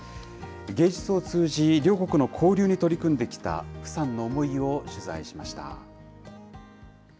芸術を通じ、両国の交流に取り組んできた傅さんの思いを取材しました。